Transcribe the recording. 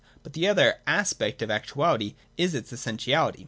But the other aspect of actuality is its essentiality.